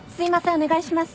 お願いします。